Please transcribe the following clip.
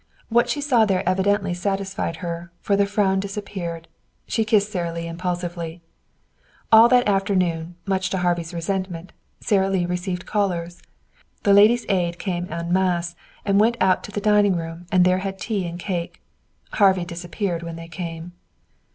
What she saw there evidently satisfied her, for the frown disappeared. She kissed Sara Lee impulsively. All that afternoon, much to Harvey's resentment, Sara Lee received callers. The Ladies' Aid came en masse and went out to the dining room and there had tea and cake. Harvey disappeared when they came.